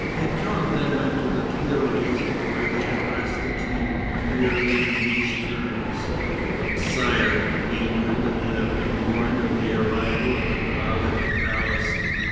Pétion then went to the Tuileries, where he addressed the King nearly in these terms: "Sire, we learn that you have been warned of the arrival of a crowd at the palace.